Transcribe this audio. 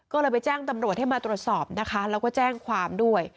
ก็เลยไปแจ้งตำรวจให้มาตรวจสอบนะคะแล้วก็แจ้งความด้วย